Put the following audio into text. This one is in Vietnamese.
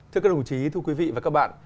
thưa các đồng chí thưa quý vị và các bạn